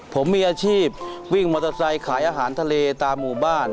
ผมมีอาชีพวิ่งมอเตอร์ไซค์ขายอาหารทะเลตามหมู่บ้าน